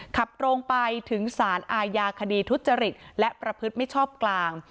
ขับตรงไปถึงสารอาญาคดีทุจริตและประพฤติมิชชอบกลาง